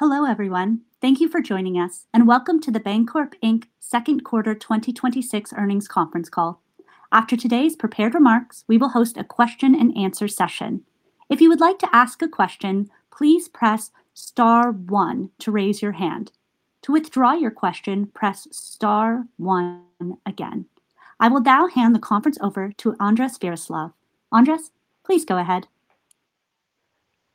Hello, everyone. Thank you for joining us, and welcome to The Bancorp, Inc. second quarter 2026 earnings conference call. After today's prepared remarks, we will host a question-and-answer session. If you would like to ask a question, please press star one to raise your hand. To withdraw your question, press star one again. I will now hand the conference over to Andres Viroslav. Andres, please go ahead.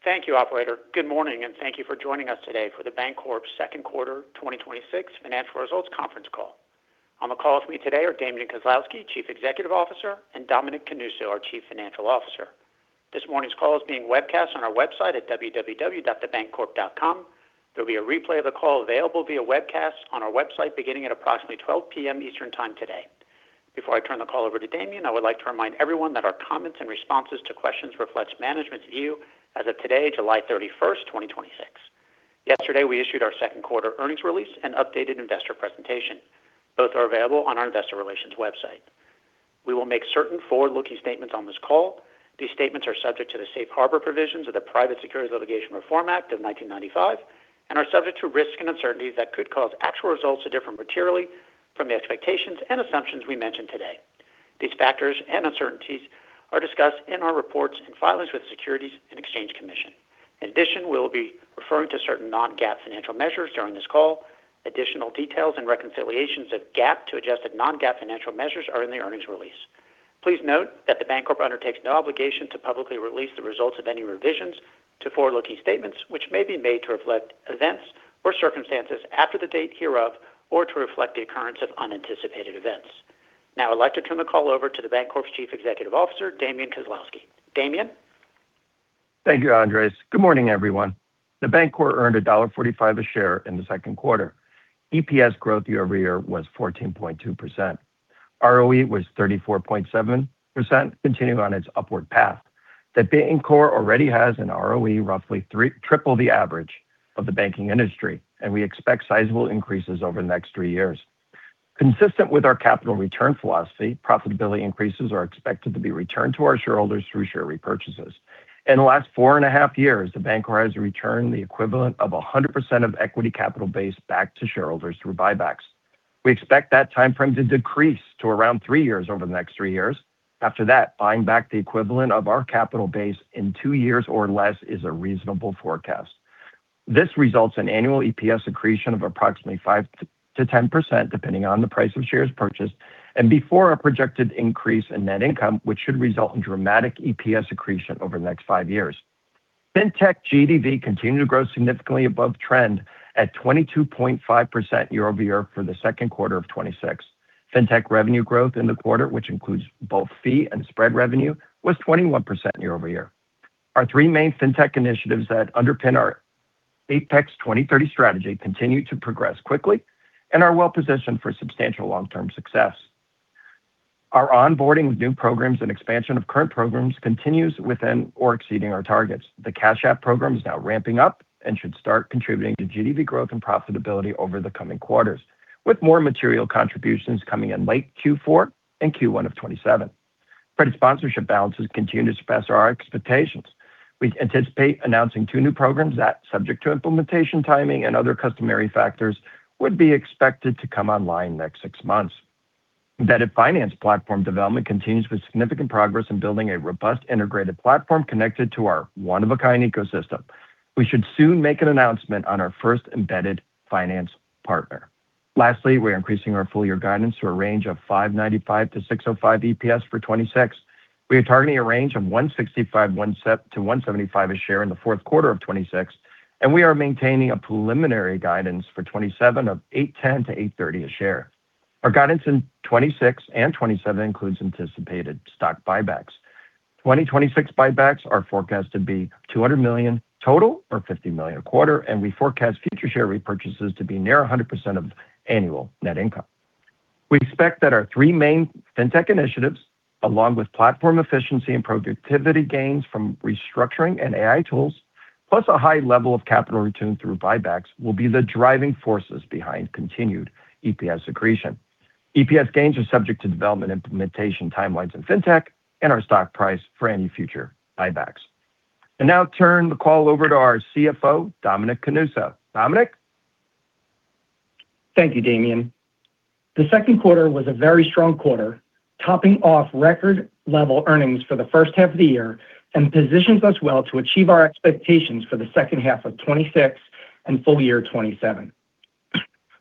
Thank you, operator. Good morning, and thank you for joining us today for The Bancorp's second quarter 2026 financial results conference call. On the call with me today are Damian Kozlowski, Chief Executive Officer, and Dominic Canuso, our Chief Financial Officer. This morning's call is being webcast on our website at www.thebancorp.com. There'll be a replay of the call available via webcast on our website beginning at approximately 12:00 P.M. Eastern Time today. Before I turn the call over to Damian, I would like to remind everyone that our comments and responses to questions reflect management's view as of today, July 31st, 2026. Yesterday, we issued our second quarter earnings release and updated investor presentation. Both are available on our investor relations website. We will make certain forward-looking statements on this call. These statements are subject to the safe harbor provisions of the Private Securities Litigation Reform Act of 1995 and are subject to risks and uncertainties that could cause actual results to differ materially from the expectations and assumptions we mention today. These factors and uncertainties are discussed in our reports and filings with the Securities and Exchange Commission. In addition, we will be referring to certain non-GAAP financial measures during this call. Additional details and reconciliations of GAAP to adjusted non-GAAP financial measures are in the earnings release. Please note that The Bancorp undertakes no obligation to publicly release the results of any revisions to forward-looking statements which may be made to reflect events or circumstances after the date hereof, or to reflect the occurrence of unanticipated events. Now I'd like to turn the call over to The Bancorp's Chief Executive Officer, Damian Kozlowski. Damian? Thank you, Andres. Good morning, everyone. The Bancorp earned $1.45 a share in the second quarter. EPS growth year-over-year was 14.2%. ROE was 34.7%, continuing on its upward path. The Bancorp already has an ROE roughly triple the average of the banking industry, and we expect sizable increases over the next three years. Consistent with our capital return philosophy, profitability increases are expected to be returned to our shareholders through share repurchases. In the last four and a half years, The Bancorp has returned the equivalent of 100% of equity capital base back to shareholders through buybacks. We expect that timeframe to decrease to around three years over the next three years. After that, buying back the equivalent of our capital base in two years or less is a reasonable forecast. This results in annual EPS accretion of approximately 5%-10%, depending on the price of shares purchased and before a projected increase in net income, which should result in dramatic EPS accretion over the next five years. Fintech GDV continued to grow significantly above trend at 22.5% year-over-year for the second quarter of 2026. Fintech revenue growth in the quarter, which includes both fee and spread revenue, was 21% year-over-year. Our three main fintech initiatives that underpin our APEX 2030 strategy continue to progress quickly and are well positioned for substantial long-term success. Our onboarding with new programs and expansion of current programs continues within or exceeding our targets. The Cash App program is now ramping up and should start contributing to GDV growth and profitability over the coming quarters, with more material contributions coming in late Q4 and Q1 of 2027. Credit sponsorship balances continue to surpass our expectations. We anticipate announcing two new programs that, subject to implementation timing and other customary factors, would be expected to come online in the next six months. Embedded finance platform development continues with significant progress in building a robust integrated platform connected to our one-of-a-kind ecosystem. We should soon make an announcement on our first embedded finance partner. Lastly, we're increasing our full year guidance to a range of $5.95-$6.05 EPS for 2026. We are targeting a range of $1.65-$1.75 a share in the fourth quarter of 2026, and we are maintaining a preliminary guidance for 2027 of $8.10-$8.30 a share. Our guidance in 2026 and 2027 includes anticipated stock buybacks. 2026 buybacks are forecast to be $200 million total or $50 million a quarter, and we forecast future share repurchases to be near 100% of annual net income. We expect that our three main fintech initiatives, along with platform efficiency and productivity gains from restructuring and AI tools, plus a high level of capital return through buybacks, will be the driving forces behind continued EPS accretion. EPS gains are subject to development implementation timelines in fintech and our stock price for any future buybacks. I now turn the call over to our CFO, Dominic Canuso. Dominic? Thank you, Damian. The second quarter was a very strong quarter, topping off record-level earnings for the first half of the year, and positions us well to achieve our expectations for the second half of 2026 and full year 2027.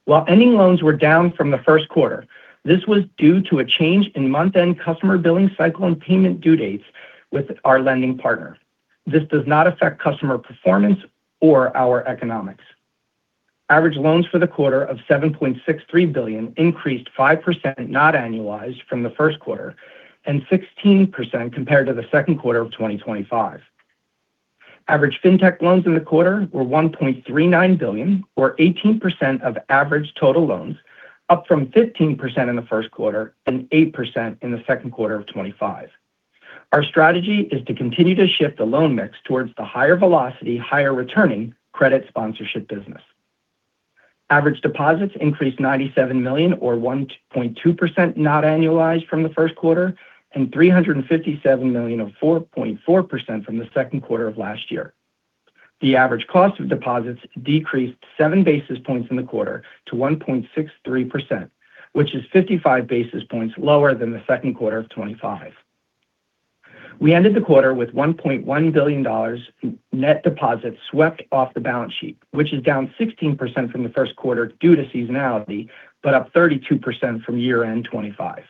While ending loans were down from the first quarter, this was due to a change in month-end customer billing cycle and payment due dates with our lending partner. This does not affect customer performance or our economics. Average loans for the quarter of $7.63 billion increased 5% not annualized from the first quarter, and 16% compared to the second quarter of 2025. Average fintech loans in the quarter were $1.39 billion, or 18% of average total loans, up from 15% in the first quarter and 8% in the second quarter of 2025. Our strategy is to continue to shift the loan mix towards the higher velocity, higher returning credit sponsorship business. Average deposits increased $97 million, or 1.2% not annualized from the first quarter, and $357 million of 4.4% from the second quarter of last year. The average cost of deposits decreased 7 basis points in the quarter to 1.63%, which is 55 basis points lower than the second quarter of 2025. We ended the quarter with $1.1 billion in net deposits swept off the balance sheet, which is down 16% from the first quarter due to seasonality, but up 32% from year-end 2025.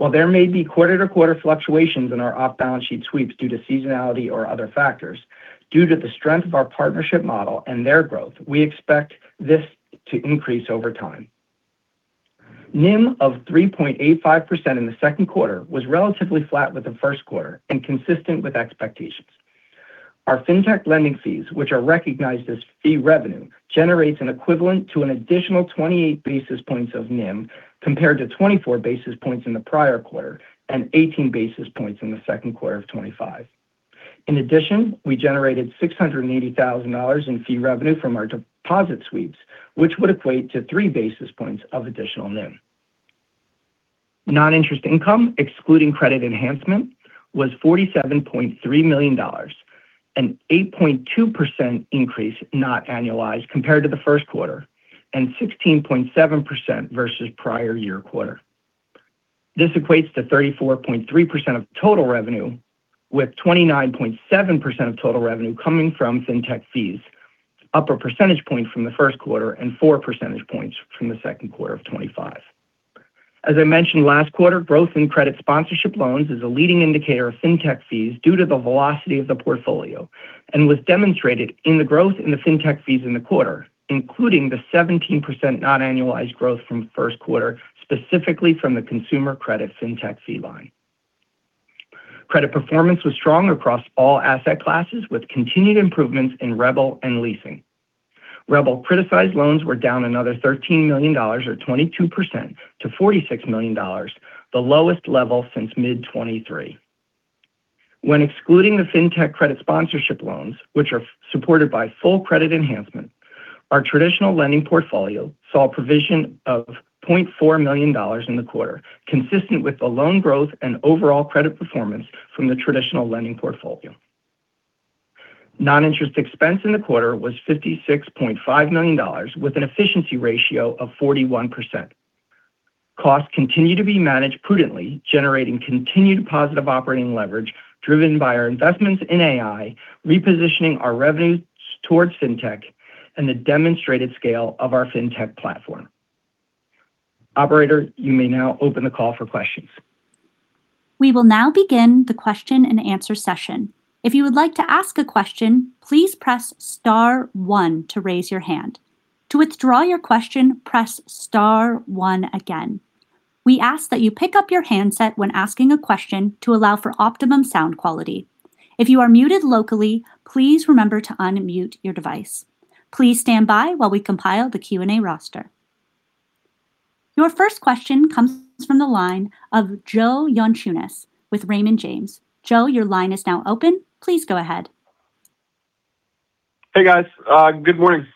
While there may be quarter-to-quarter fluctuations in our off-balance sheet sweeps due to seasonality or other factors, due to the strength of our partnership model and their growth, we expect this to increase over time. NIM of 3.85% in the second quarter was relatively flat with the first quarter and consistent with expectations. Our fintech lending fees, which are recognized as fee revenue, generates an equivalent to an additional 28 basis points of NIM, compared to 24 basis points in the prior quarter and 18 basis points in the second quarter of 2025. In addition, we generated $680,000 in fee revenue from our deposit sweeps, which would equate to 3 basis points of additional NIM. Non-interest income, excluding credit enhancement, was $47.3 million, an 8.2% increase not annualized compared to the first quarter, and 16.7% versus prior year quarter. This equates to 34.3% of total revenue, with 29.7% of total revenue coming from fintech fees, up a percentage point from the first quarter and 4 percentage points from the second quarter of 2025. As I mentioned last quarter, growth in credit sponsorship loans is a leading indicator of fintech fees due to the velocity of the portfolio and was demonstrated in the growth in the fintech fees in the quarter, including the 17% not annualized growth from first quarter, specifically from the consumer credit fintech fee line. Credit performance was strong across all asset classes with continued improvements in REBL and leasing. REBL criticized loans were down another $13 million, or 22%, to $46 million, the lowest level since mid 2023. When excluding the fintech credit sponsorship loans, which are supported by full credit enhancement, our traditional lending portfolio saw a provision of $0.4 million in the quarter, consistent with the loan growth and overall credit performance from the traditional lending portfolio. Non-interest expense in the quarter was $56.5 million, with an efficiency ratio of 41%. Costs continue to be managed prudently, generating continued positive operating leverage driven by our investments in AI, repositioning our revenues towards fintech, and the demonstrated scale of our fintech platform. Operator, you may now open the call for questions. We will now begin the question and answer session. If you would like to ask a question, please press star one to raise your hand. To withdraw your question, press star one again. We ask that you pick up your handset when asking a question to allow for optimum sound quality. If you are muted locally, please remember to unmute your device. Please stand by while we compile the Q&A roster. Your first question comes from the line of Joe Yanchunis with Raymond James. Joe, your line is now open. Please go ahead. Hey, guys. Good morning.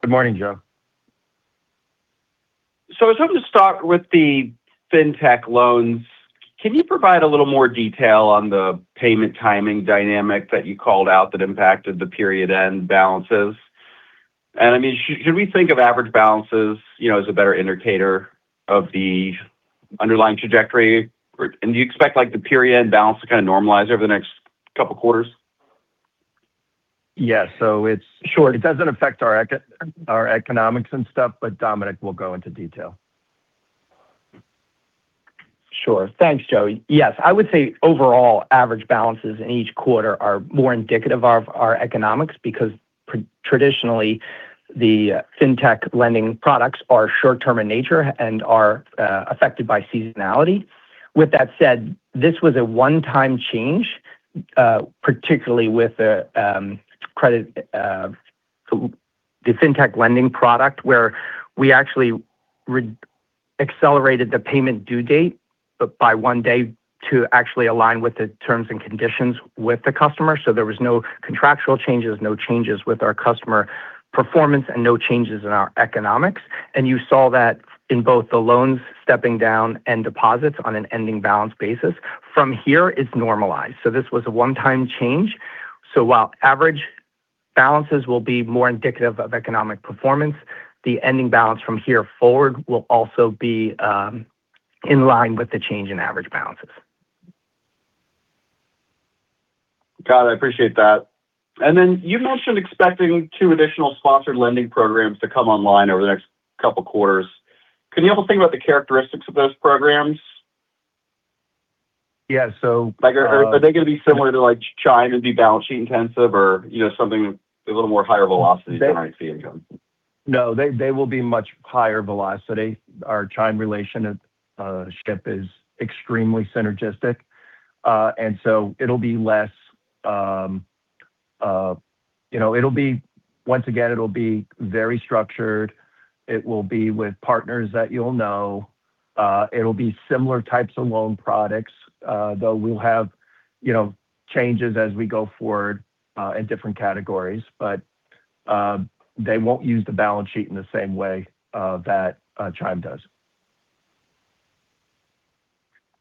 Good morning, Joe. I was hoping to start with the fintech loans. Can you provide a little more detail on the payment timing dynamic that you called out that impacted the period-end balances? Should we think of average balances as a better indicator of the underlying trajectory? Do you expect the period end balance to normalize over the next couple of quarters? Yes. It doesn't affect our economics and stuff, but Dominic will go into detail. Sure. Thanks, Joe. Yes, I would say overall, average balances in each quarter are more indicative of our economics because traditionally, the fintech lending products are short-term in nature and are affected by seasonality. With that said, this was a one-time change, particularly with the fintech lending product, where we actually accelerated the payment due date by one day to actually align with the terms and conditions with the customer. There was no contractual changes, no changes with our customer performance, and no changes in our economics. You saw that in both the loans stepping down and deposits on an ending balance basis. From here, it's normalized. This was a one-time change. While average balances will be more indicative of economic performance, the ending balance from here forward will also be in line with the change in average balances. Got it. I appreciate that. You mentioned expecting two additional sponsored lending programs to come online over the next couple of quarters. Can you help think about the characteristics of those programs? Yeah. Are they going to be similar to Chime and be balance sheet intensive or something a little more higher velocity than IC income? No. They will be much higher velocity. Our Chime relationship is extremely synergistic. Once again, it'll be very structured. It will be with partners that you'll know. It'll be similar types of loan products. We'll have changes as we go forward in different categories. They won't use the balance sheet in the same way that Chime does.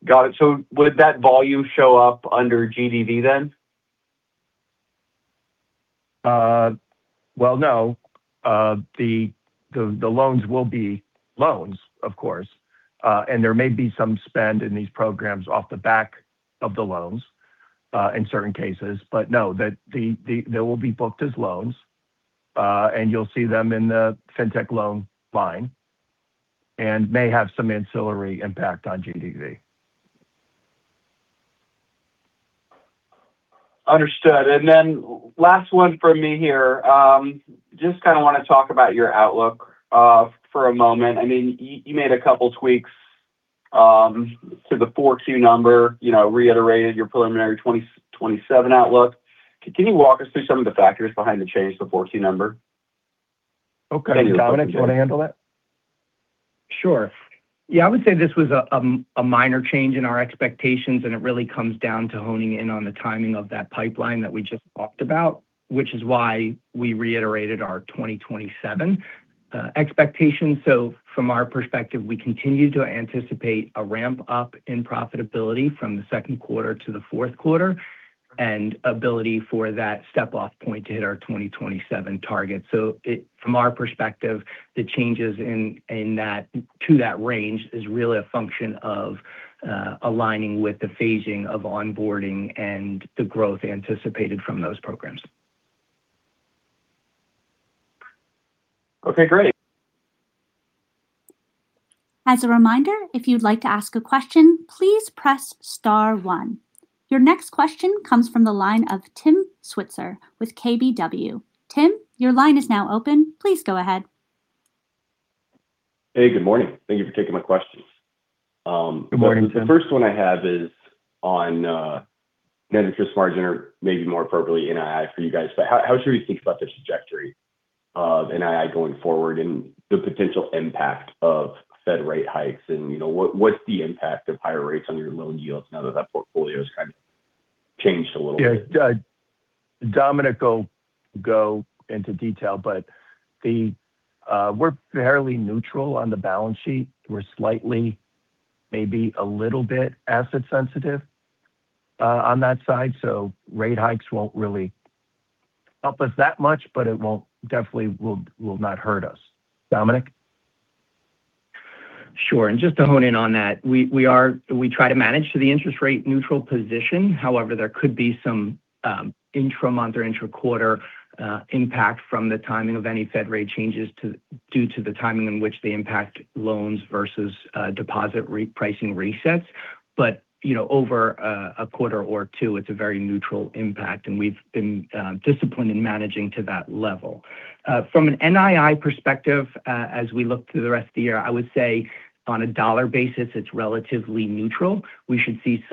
Got it. Would that volume show up under GDV then? Well, no. The loans will be loans, of course. There may be some spend in these programs off the back of the loans in certain cases. No, they will be booked as loans. You'll see them in the fintech loan line, and may have some ancillary impact on GDV. Understood. Then last one from me here. Just kind of want to talk about your outlook for a moment. You made a couple tweaks to the 4Q number, reiterated your preliminary 2027 outlook. Can you walk us through some of the factors behind the change to the 4Q number? Okay. Dominic, do you want to handle that? Sure. Yeah, I would say this was a minor change in our expectations, and it really comes down to honing in on the timing of that pipeline that we just talked about, which is why we reiterated our 2027 expectations. From our perspective, we continue to anticipate a ramp-up in profitability from the second quarter to the fourth quarter, and ability for that step-off point to hit our 2027 target. From our perspective, the changes to that range is really a function of aligning with the phasing of onboarding and the growth anticipated from those programs. Okay, great. As a reminder, if you'd like to ask a question, please press star one. Your next question comes from the line of Tim Switzer with KBW. Tim, your line is now open. Please go ahead. Hey, good morning. Thank you for taking my questions. Good morning, Tim. The first one I have is on net interest margin, or maybe more appropriately, NII for you guys. How should we think about the trajectory of NII going forward and the potential impact of Fed rate hikes? What's the impact of higher rates on your loan yields now that that portfolio's kind of changed a little bit? Yeah. Dominic will go into detail, but we're fairly neutral on the balance sheet. We're slightly, maybe a little bit asset sensitive on that side. Rate hikes won't really help us that much, but it definitely will not hurt us. Dominic? Sure. Just to hone in on that, we try to manage to the interest rate neutral position. However, there could be some intra-month or intra-quarter impact from the timing of any Fed rate changes due to the timing in which they impact loans versus deposit pricing resets. Over a quarter or two, it's a very neutral impact, and we've been disciplined in managing to that level. From an NII perspective, as we look through the rest of the year, I would say on a dollar basis, it's relatively neutral. We should see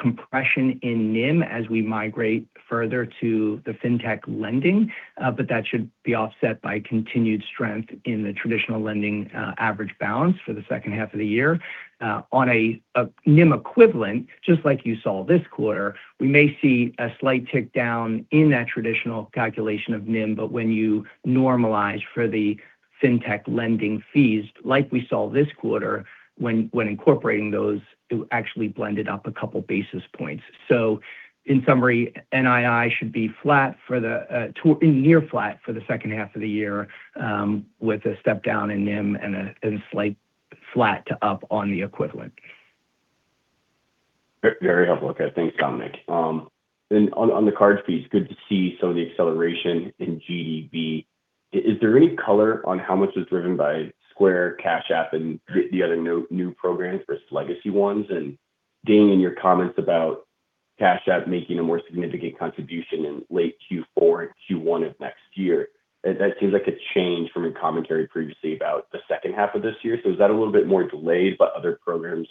some compression in NIM as we migrate further to the fintech lending. That should be offset by continued strength in the traditional lending average balance for the second half of the year. On a NIM equivalent, just like you saw this quarter, we may see a slight tick down in that traditional calculation of NIM, but when you normalize for the fintech lending fees, like we saw this quarter, when incorporating those, it actually blended up a couple basis points. In summary, NII should be near flat for the second half of the year with a step down in NIM and a slight flat to up on the equivalent. Very helpful. Okay, thanks, Dominic. On the cards piece, good to see some of the acceleration in GDV. Is there any color on how much was driven by Square, Cash App, and the other new programs versus legacy ones? Damian, in your comments about Cash App making a more significant contribution in late Q4 and Q1 of next year, that seems like a change from your commentary previously about the second half of this year. Is that a little bit more delayed by other programs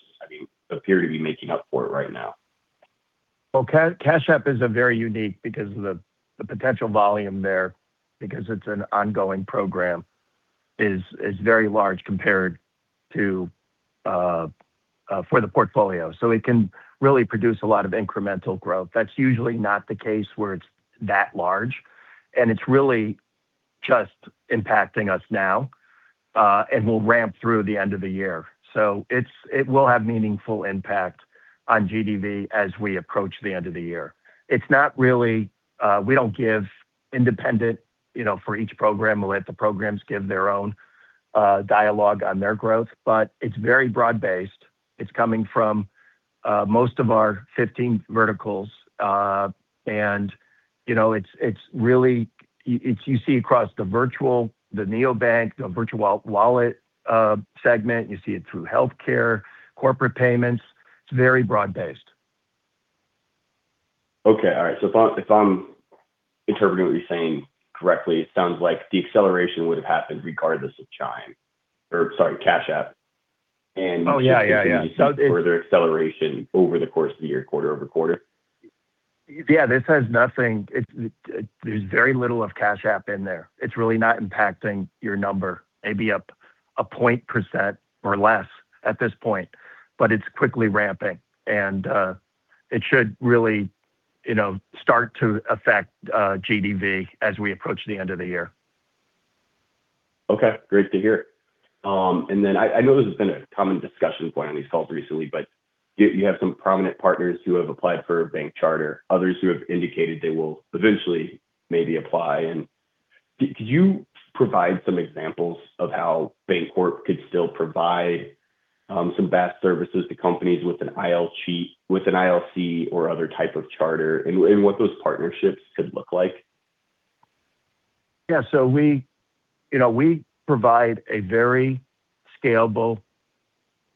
appear to be making up for it right now? Well, Cash App is very unique because of the potential volume there because it's an ongoing program is very large compared for the portfolio. It can really produce a lot of incremental growth. That's usually not the case where it's that large, and it's really just impacting us now, and will ramp through the end of the year. It will have meaningful impact on GDV as we approach the end of the year. We don't give independent for each program. We'll let the programs give their own dialogue on their growth, but it's very broad based. It's coming from most of our 15 verticals. You see across the virtual, the neobank, the virtual wallet segment. You see it through healthcare, corporate payments. It's very broad based. Okay. All right. If I'm interpreting what you're saying correctly, it sounds like the acceleration would have happened regardless of Chime or, sorry, Cash App. Oh, yeah. You continue to see further acceleration over the course of the year, quarter-over-quarter? Yeah, there's very little of Cash App in there. It's really not impacting your number. Maybe up a percentage point or less at this point, but it's quickly ramping, and it should really start to affect GDV as we approach the end of the year. Okay. Great to hear. Then I know this has been a common discussion point on these calls recently, but you have some prominent partners who have applied for a bank charter, others who have indicated they will eventually maybe apply. Could you provide some examples of how Bancorp could still provide some BaaS services to companies with an ILC or other type of charter, and what those partnerships could look like? We provide a very scalable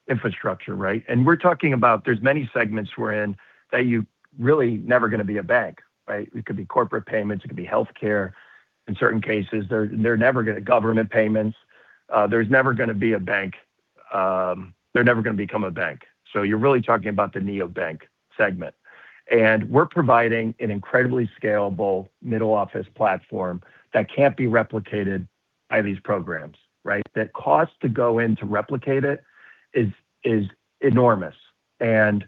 infrastructure, right? We're talking about, there's many segments we're in that you're really never going to be a bank, right? It could be corporate payments, it could be healthcare in certain cases. They're never going to government payments. There's never going to be a bank. They're never going to become a bank. You're really talking about the neobank segment. We're providing an incredibly scalable middle office platform that can't be replicated by these programs, right? The cost to go in to replicate it is enormous, and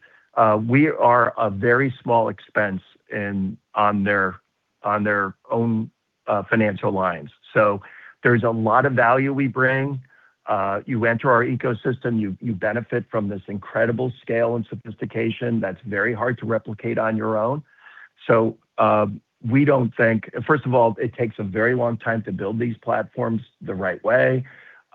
we are a very small expense on their own financial lines. There's a lot of value we bring. You enter our ecosystem, you benefit from this incredible scale and sophistication that's very hard to replicate on your own. First of all, it takes a very long time to build these platforms the right way.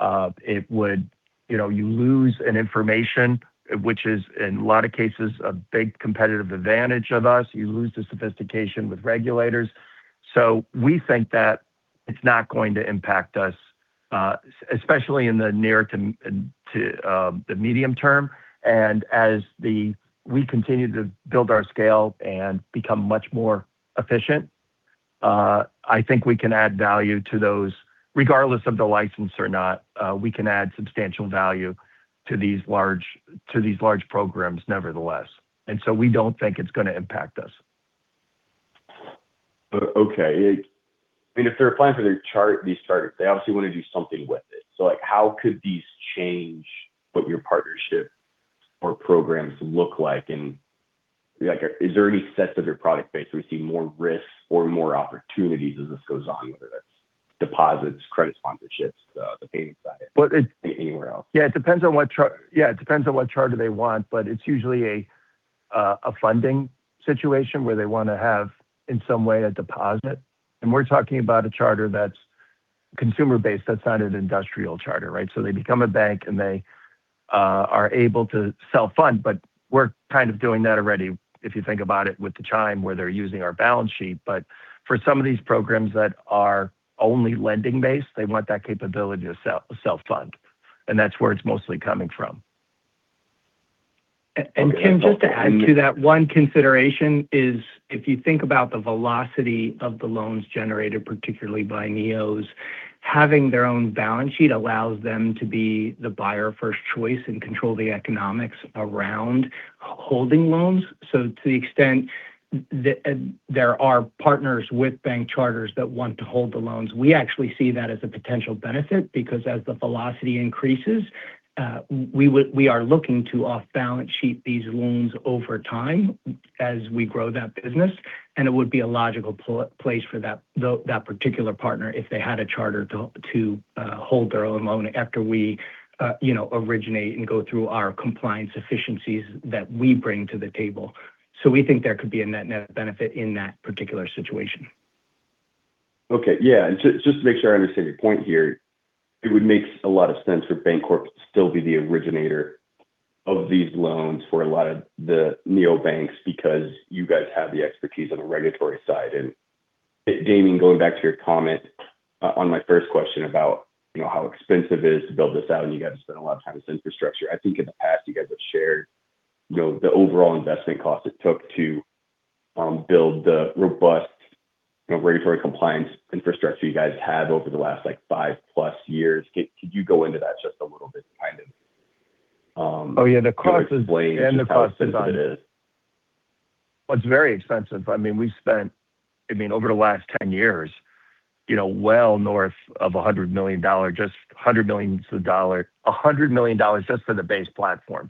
You lose information, which is, in a lot of cases, a big competitive advantage of us. You lose the sophistication with regulators. We think that it's not going to impact us, especially in the near to the medium term. As we continue to build our scale and become much more efficient, I think we can add value to those, regardless of the license or not. We can add substantial value to these large programs nevertheless. We don't think it's going to impact us. Okay. If they're applying for these charters, they obviously want to do something with it. How could these change what your partnership or programs look like, and is there any sets of your product base we see more risks or more opportunities as this goes on, whether that's deposits, credit sponsorships, the payment side. It— Anywhere else? Yeah, it depends on what charter they want, but it's usually a funding situation where they want to have, in some way, a deposit. We're talking about a charter that's consumer-based, that's not an industrial charter, right? They become a bank, and they are able to self-fund. We're kind of doing that already, if you think about it, with the Chime, where they're using our balance sheet. For some of these programs that are only lending-based, they want that capability to self-fund. That's where it's mostly coming from. Tim, just to add to that, one consideration is, if you think about the velocity of the loans generated, particularly by neos, having their own balance sheet allows them to be the buyer first choice and control the economics around holding loans. To the extent there are partners with bank charters that want to hold the loans, we actually see that as a potential benefit, because as the velocity increases, we are looking to off-balance sheet these loans over time as we grow that business. It would be a logical place for that particular partner, if they had a charter, to hold their own loan after we originate and go through our compliance efficiencies that we bring to the table. We think there could be a net benefit in that particular situation. Okay. Yeah. Just to make sure I understand your point here, it would make a lot of sense for Bancorp to still be the originator of these loans for a lot of the neobanks, because you guys have the expertise on the regulatory side. Damian, going back to your comment on my first question about how expensive it is to build this out, and you got to spend a lot of time on this infrastructure. I think in the past, you guys have shared the overall investment cost it took to build the robust regulatory compliance infrastructure you guys have over the last five-plus years. Could you go into that just a little bit. Oh, yeah. The cost is— Explain just how expensive it is. Oh, it's very expensive. We've spent, over the last 10 years, well north of $100 million, just hundreds of millions of dollars. $100 million just for the base platform.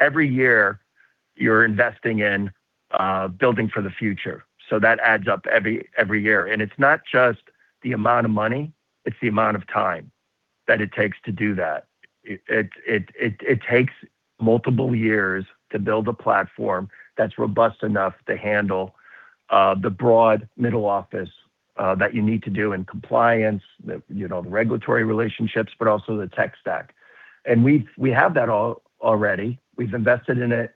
Every year you're investing in building for the future. That adds up every year. It's not just the amount of money, it's the amount of time that it takes to do that. It takes multiple years to build a platform that's robust enough to handle the broad middle office that you need to do in compliance, the regulatory relationships, but also the tech stack. We have that all already. We've invested in it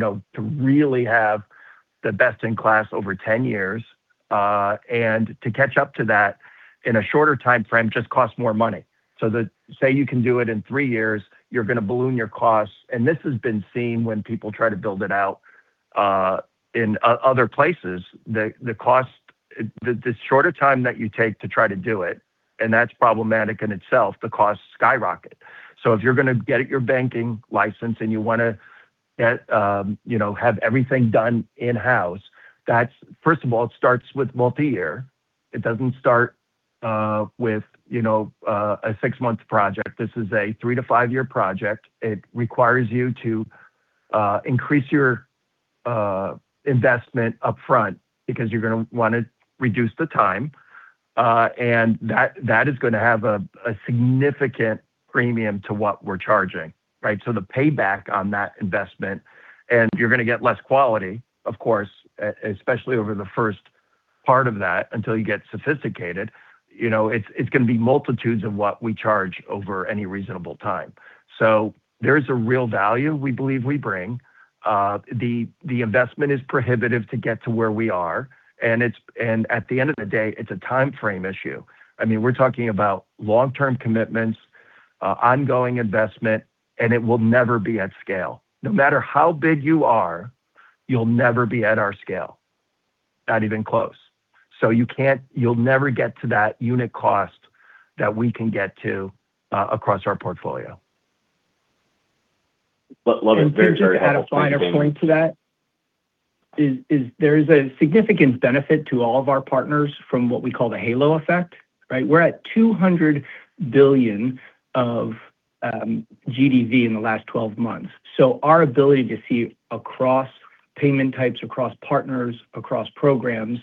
to really have the best in class over 10 years. To catch up to that in a shorter timeframe just costs more money. Say you can do it in three years, you're going to balloon your costs. This has been seen when people try to build it out in other places. The shorter time that you take to try to do it, and that's problematic in itself, the costs skyrocket. If you're going to get your banking license and you want to have everything done in-house, first of all, it starts with multi-year. It doesn't start with a six-month project. This is a three to five-year project. It requires you to increase your investment upfront because you're going to want to reduce the time. That is going to have a significant premium to what we're charging. The payback on that investment, and you're going to get less quality, of course, especially over the first part of that until you get sophisticated. It's going to be multitudes of what we charge over any reasonable time. There is a real value we believe we bring. The investment is prohibitive to get to where we are. At the end of the day, it's a timeframe issue. We're talking about long-term commitments, ongoing investment, and it will never be at scale. No matter how big you are, you'll never be at our scale. Not even close. You'll never get to that unit cost that we can get to across our portfolio. Love it. Very helpful. Thank you. Just to add a finer point to that, there is a significant benefit to all of our partners from what we call the halo effect. We're at $200 billion of GDV in the last 12 months. Our ability to see across payment types, across partners, across programs,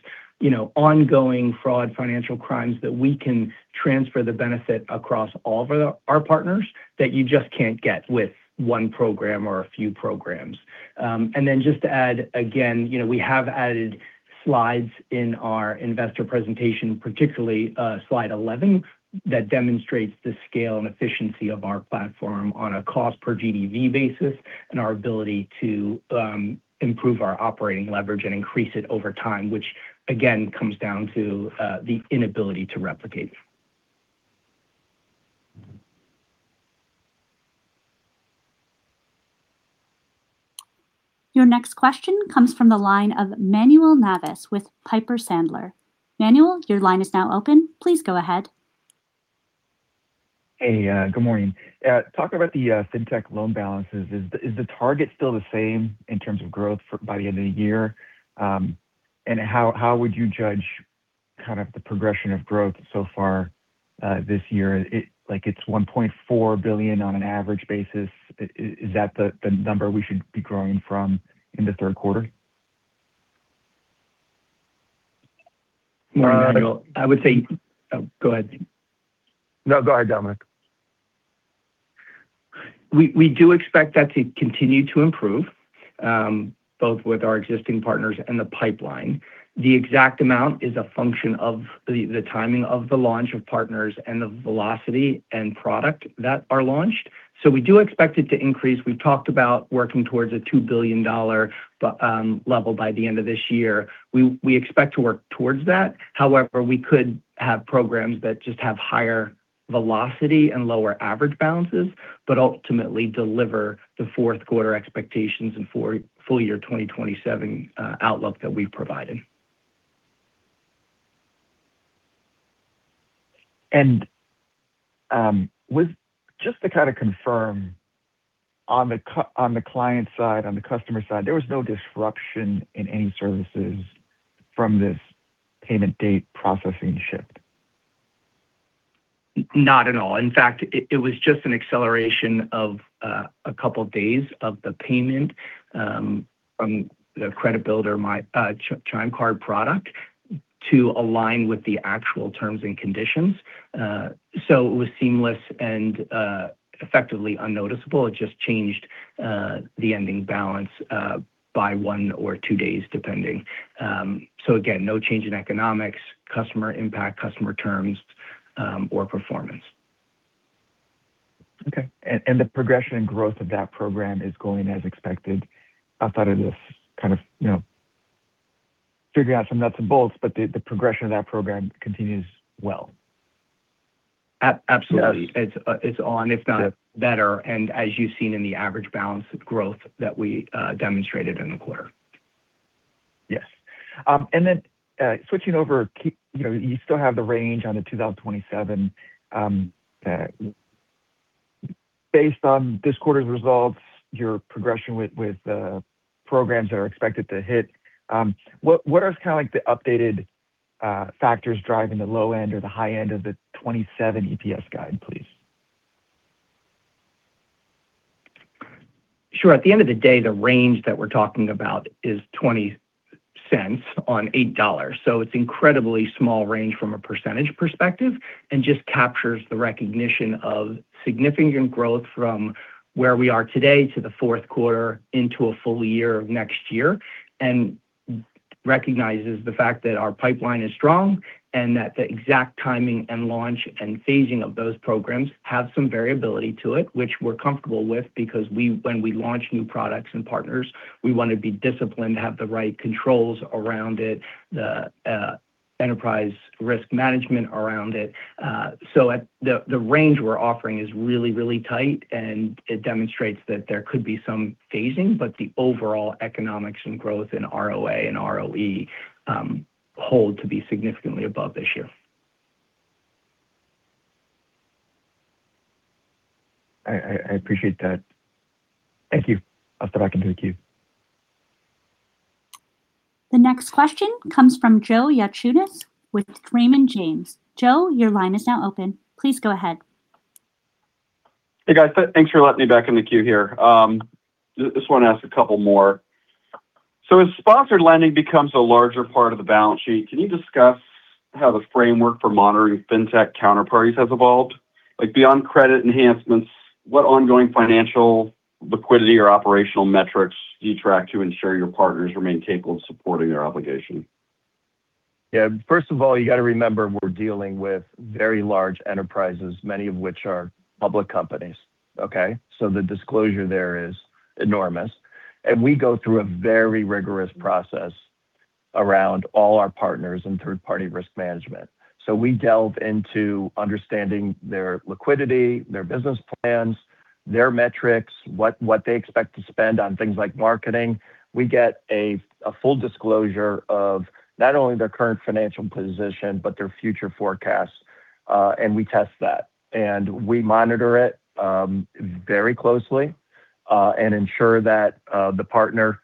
ongoing fraud, financial crimes, that we can transfer the benefit across all of our partners that you just can't get with one program or a few programs. Just to add again, we have added slides in our investor presentation, particularly slide 11, that demonstrates the scale and efficiency of our platform on a cost per GDV basis and our ability to improve our operating leverage and increase it over time, which again comes down to the inability to replicate. Your next question comes from the line of Manuel Navas with Piper Sandler. Manuel, your line is now open. Please go ahead. Hey, good morning. Talking about the fintech loan balances, is the target still the same in terms of growth by the end of the year? How would you judge the progression of growth so far this year? It's $1.4 billion on an average basis. Is that the number we should be growing from in the third quarter? I would say—oh, go ahead. No, go ahead, Dominic. We do expect that to continue to improve, both with our existing partners and the pipeline. The exact amount is a function of the timing of the launch of partners and the velocity and product that are launched. We do expect it to increase. We've talked about working towards a $2 billion level by the end of this year. We expect to work towards that. However, we could have programs that just have higher velocity and lower average balances, but ultimately deliver the fourth quarter expectations and full year 2027 outlook that we've provided. Just to kind of confirm on the client side, on the customer side, there was no disruption in any services from this payment date processing shift? Not at all. In fact, it was just an acceleration of a couple of days of the payment from the Credit Builder Chime card product to align with the actual terms and conditions. It was seamless and effectively unnoticeable. It just changed the ending balance by one or two days, depending. Again, no change in economics, customer impact, customer terms, or performance. Okay. The progression and growth of that program is going as expected outside of this kind of figuring out some nuts and bolts, the progression of that program continues well? Absolutely. It's on, if not better, as you've seen in the average balance growth that we demonstrated in the quarter. Yes. Switching over, you still have the range on the 2027. Based on this quarter's results, your progression with programs that are expected to hit, what are the updated factors driving the low end or the high end of the 2027 EPS guide, please? Sure. At the end of the day, the range that we're talking about is $0.20 on $8. It's incredibly small range from a percentage perspective and just captures the recognition of significant growth from where we are today to the fourth quarter into a full year of next year, recognizes the fact that our pipeline is strong and that the exact timing and launch and phasing of those programs have some variability to it, which we're comfortable with because when we launch new products and partners, we want to be disciplined, have the right controls around it, the enterprise risk management around it. The range we're offering is really tight, and it demonstrates that there could be some phasing, but the overall economics and growth in ROA and ROE hold to be significantly above this year. I appreciate that. Thank you. I'll step back into the queue. The next question comes from Joe Yanchunis with Raymond James. Joe, your line is now open. Please go ahead. Hey, guys. Thanks for letting me back in the queue here. Just want to ask a couple more. As sponsored lending becomes a larger part of the balance sheet, can you discuss how the framework for monitoring fintech counterparties has evolved? Like beyond credit enhancements, what ongoing financial liquidity or operational metrics do you track to ensure your partners remain capable of supporting their obligation? First of all, you got to remember we're dealing with very large enterprises, many of which are public companies. Okay? The disclosure there is enormous. We go through a very rigorous process around all our partners and third-party risk management. We delve into understanding their liquidity, their business plans, their metrics, what they expect to spend on things like marketing. We get a full disclosure of not only their current financial position, but their future forecasts. We test that, and we monitor it very closely, and ensure that the partner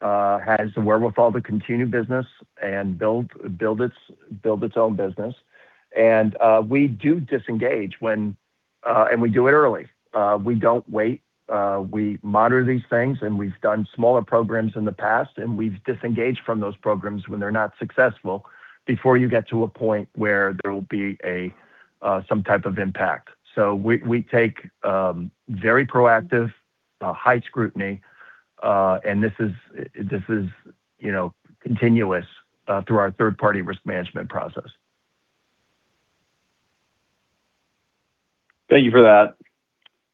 has the wherewithal to continue business and build its own business. We do disengage, and we do it early. We don't wait. We monitor these things, and we've done smaller programs in the past, and we've disengaged from those programs when they're not successful before you get to a point where there will be some type of impact. We take very proactive, high scrutiny, and this is continuous through our third-party risk management process. Thank you for that.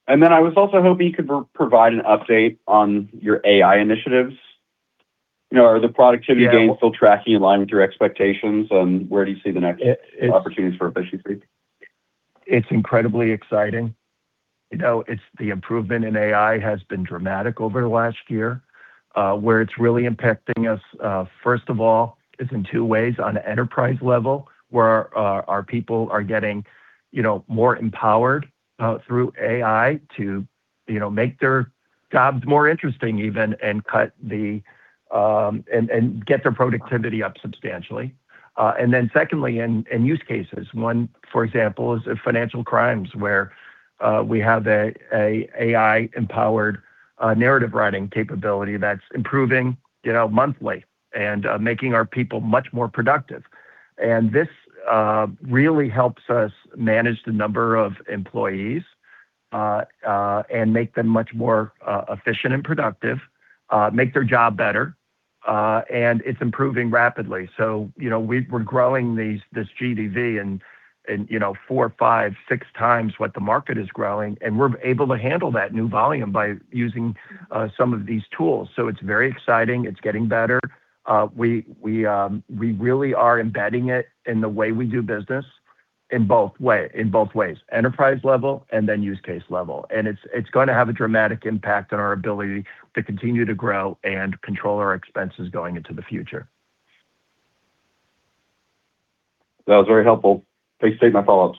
I was also hoping you could provide an update on your AI initiatives. Are the productivity gains still tracking in line with your expectations, and where do you see the next opportunities for efficiency? It's incredibly exciting. The improvement in AI has been dramatic over the last year. Where it's really impacting us, first of all, is in two ways. On an enterprise level, where our people are getting more empowered through AI to make their jobs more interesting even and get their productivity up substantially. Secondly, in use cases. One, for example, is financial crimes, where we have a AI-empowered narrative-writing capability that's improving monthly and making our people much more productive. This really helps us manage the number of employees, and make them much more efficient and productive, make their job better. It's improving rapidly. We're growing this GDV in 4x, 5x, 6x what the market is growing, and we're able to handle that new volume by using some of these tools. It's very exciting. It's getting better. We really are embedding it in the way we do business in both ways, enterprise level and then use case level. It's going to have a dramatic impact on our ability to continue to grow and control our expenses going into the future. That was very helpful. Please save my follow-ups.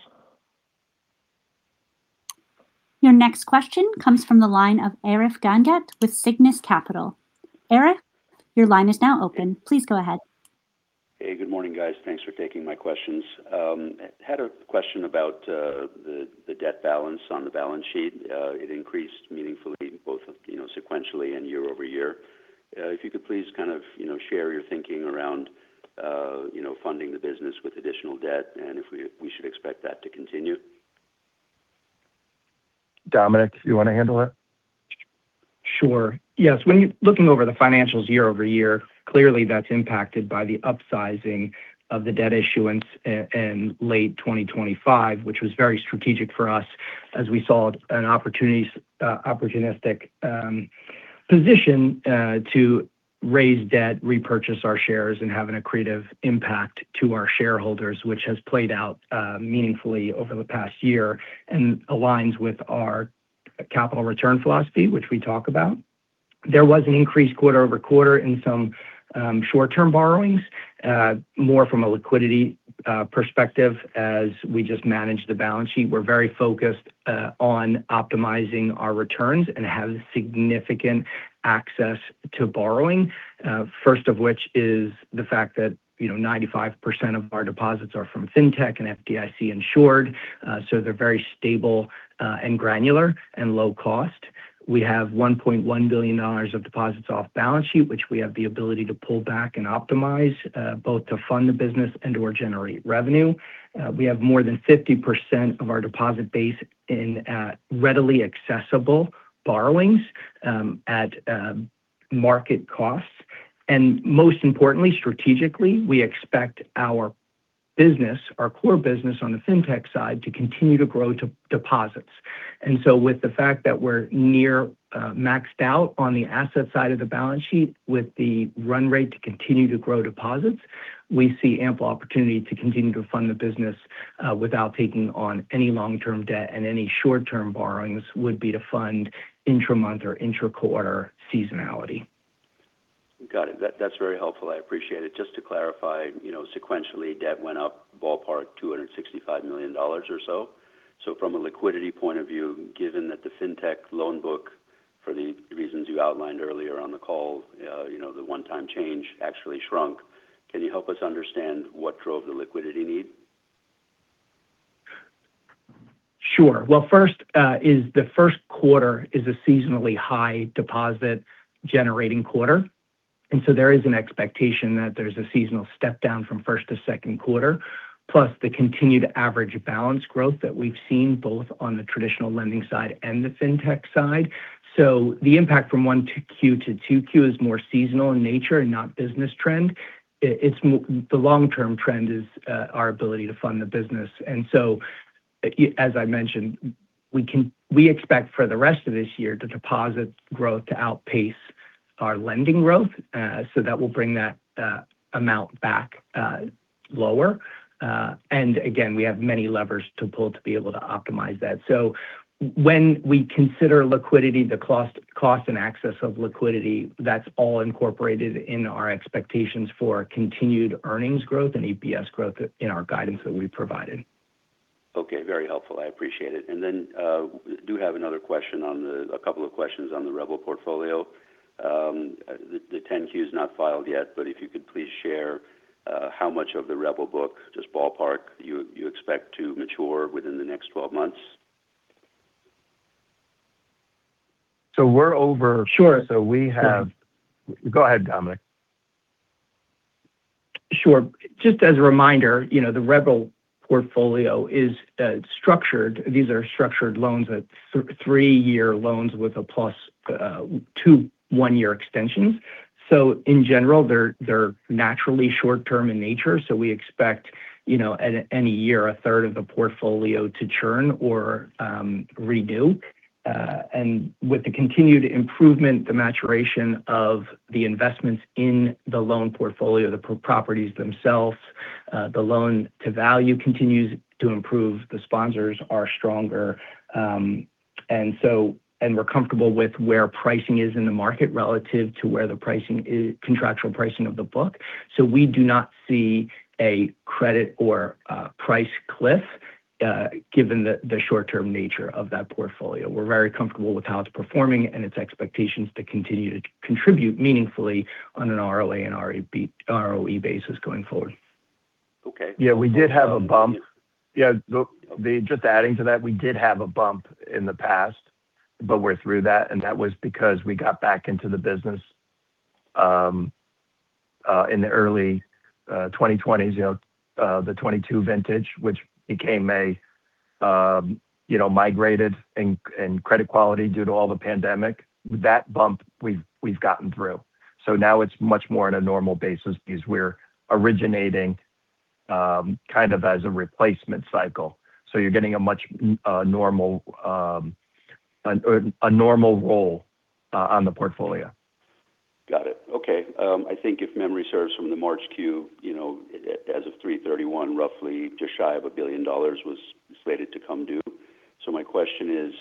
Your next question comes from the line of Arif Gangat with Cygnus Capital. Arif, your line is now open. Please go ahead. Hey, good morning, guys. Thanks for taking my questions. Had a question about the debt balance on the balance sheet. It increased meaningfully both sequentially and year-over-year. If you could please share your thinking around funding the business with additional debt and if we should expect that to continue. Dominic, do you want to handle that? Sure. Yes. When you're looking over the financials year-over-year, clearly that's impacted by the upsizing of the debt issuance in late 2025, which was very strategic for us as we saw an opportunistic position to raise debt, repurchase our shares, and have an accretive impact to our shareholders, which has played out meaningfully over the past year and aligns with our capital return philosophy, which we talk about. There was an increase quarter-over-quarter in some short-term borrowings, more from a liquidity perspective as we just manage the balance sheet. We're very focused on optimizing our returns and have significant access to borrowing. First of which is the fact that 95% of our deposits are from fintech and FDIC-insured. They're very stable and granular and low cost. We have $1.1 billion of deposits off balance sheet, which we have the ability to pull back and optimize both to fund the business and/or generate revenue. We have more than 50% of our deposit base in readily accessible borrowings at market costs. Most importantly, strategically, we expect our core business on the fintech side to continue to grow deposits. With the fact that we're near maxed out on the asset side of the balance sheet with the run rate to continue to grow deposits, we see ample opportunity to continue to fund the business without taking on any long-term debt and any short-term borrowings would be to fund intra-month or intra-quarter seasonality. Got it. That's very helpful. I appreciate it. Just to clarify, sequentially, debt went up ballpark $265 million or so. From a liquidity point of view, given that the fintech loan book, for the reasons you outlined earlier on the call, the one-time change actually shrunk. Can you help us understand what drove the liquidity need? Sure. First is the first quarter is a seasonally high deposit generating quarter. There is an expectation that there's a seasonal step down from first to second quarter, plus the continued average balance growth that we've seen both on the traditional lending side and the fintech side. The impact from 1Q to 2Q is more seasonal in nature and not business trend. The long-term trend is our ability to fund the business. As I mentioned, we expect for the rest of this year the deposit growth to outpace our lending growth. That will bring that amount back lower. Again, we have many levers to pull to be able to optimize that. When we consider liquidity, the cost, and access of liquidity, that's all incorporated in our expectations for continued earnings growth and EPS growth in our guidance that we provided. Okay. Very helpful. I appreciate it. I do have a couple of questions on the REBL portfolio. The 10-Q is not filed yet, but if you could please share how much of the REBL book, just ballpark, you expect to mature within the next 12 months. So we're over— Sure. Go ahead, Dominic. Sure. Just as a reminder, the REBL portfolio is structured. These are structured loans that are three-year loans with a plus two one-year extensions. In general, they're naturally short-term in nature. We expect any year a third of the portfolio to churn or redo. With the continued improvement, the maturation of the investments in the loan portfolio, the properties themselves, the loan to value continues to improve. The sponsors are stronger. We're comfortable with where pricing is in the market relative to where the contractual pricing of the book. We do not see a credit or price cliff given the short-term nature of that portfolio. We're very comfortable with how it's performing and its expectations to continue to contribute meaningfully on an ROA and ROE basis going forward. Okay. We did have a bump. Just adding to that, we did have a bump in the past. We're through that. That was because we got back into the business in the early 2020s. The 2022 vintage, which became migrated in credit quality due to all the pandemic. That bump we've gotten through. Now it's much more on a normal basis because we're originating kind of as a replacement cycle. You're getting a normal roll on the portfolio. Got it. Okay. I think if memory serves from the March Q, as of March 31, roughly just shy of $1 billion was slated to come due. My question is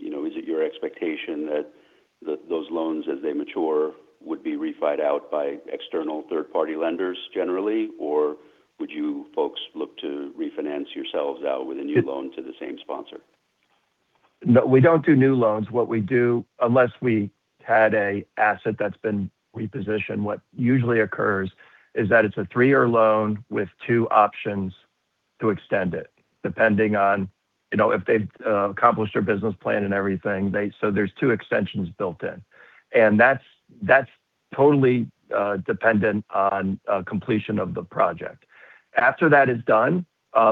it your expectation that those loans, as they mature, would be refied out by external third-party lenders generally, or would you folks look to refinance yourselves out with a new loan to the same sponsor? We don't do new loans. What we do, unless we had an asset that's been repositioned, what usually occurs is that it's a three-year loan with two options to extend it, depending on if they've accomplished their business plan and everything. There are two extensions built in. That's totally dependent on completion of the project. After that is done,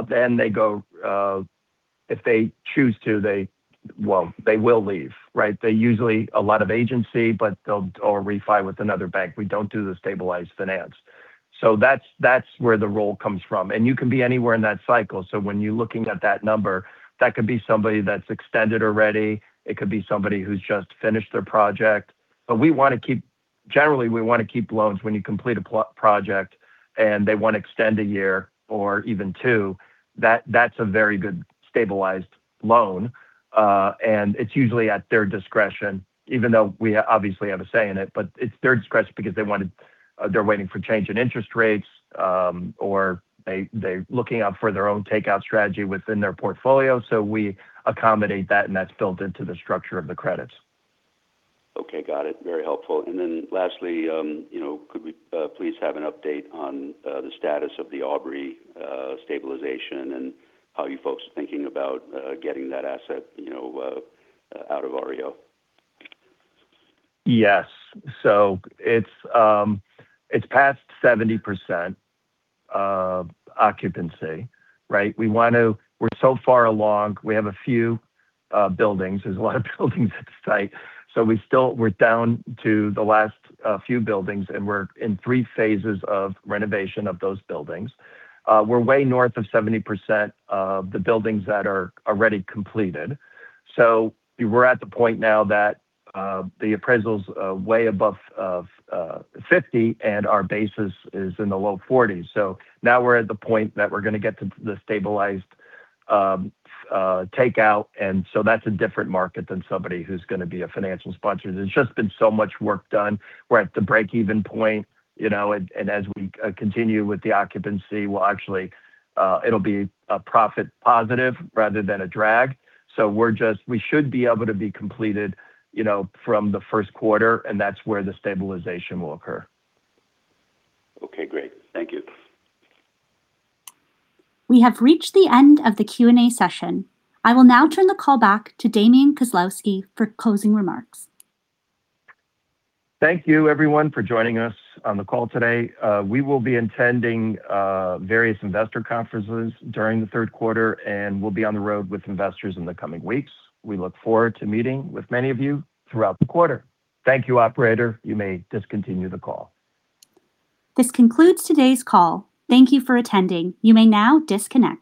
they go, if they choose to, they will leave, right? They usually a lot of agency. They'll refi with another bank. We don't do the stabilized finance. That's where the roll comes from. You can be anywhere in that cycle. When you're looking at that number, that could be somebody that's extended already, it could be somebody who's just finished their project. Generally, we want to keep loans when you complete a project and they want to extend a year or even two. That's a very good stabilized loan. It's usually at their discretion, even though we obviously have a say in it. It's their discretion because they're waiting for change in interest rates, or they're looking out for their own takeout strategy within their portfolio. We accommodate that, and that's built into the structure of the credits. Okay. Got it. Very helpful. Lastly, could we please have an update on the status of the Aubrey stabilization and how you folks are thinking about getting that asset out of REO? Yes. It's past 70% occupancy, right? We're so far along. We have a few buildings. There's a lot of buildings at the site. We're down to the last few buildings, and we're in three phases of renovation of those buildings. We're way north of 70% of the buildings that are already completed. We're at the point now that the appraisal's way above $50 million, and our base is in the low 40s. We're at the point that we're going to get to the stabilized takeout. That's a different market than somebody who's going to be a financial sponsor. There's just been so much work done. We're at the break-even point. As we continue with the occupancy, it'll be a profit positive rather than a drag. We should be able to be completed from the first quarter, and that's where the stabilization will occur. Okay, great. Thank you. We have reached the end of the Q&A session. I will now turn the call back to Damian Kozlowski for closing remarks. Thank you everyone for joining us on the call today. We will be attending various investor conferences during the third quarter, and we'll be on the road with investors in the coming weeks. We look forward to meeting with many of you throughout the quarter. Thank you, operator. You may discontinue the call. This concludes today's call. Thank you for attending. You may now disconnect.